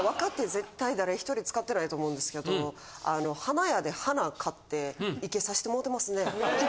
絶対誰１人使ってないと思うんですけど花屋で花買っていけさしてもうてますね。